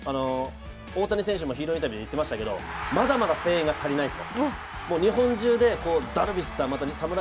大谷選手もヒーローインタビューで言ってましたけどまだまだ声援が足りないと。